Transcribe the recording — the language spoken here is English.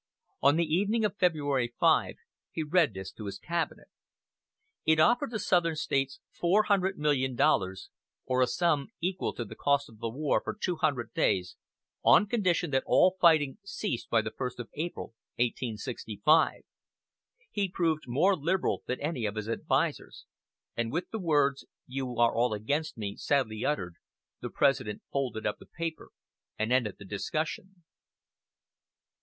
On the evening of February 5 he read this to his cabinet. It offered the southern States $400,000,000 or a sum equal to the cost of war for two hundred days, on condition that all fighting cease by the first of April, 1865. He proved more liberal than any of his advisers; and with the words, "You are all against me," sadly uttered, the President folded up the paper, and ended the discussion.